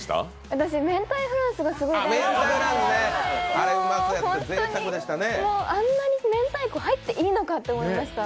私、明太フランスがすごい大好きであんなに明太子、入っていいのかと思いました。